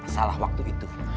salah waktu itu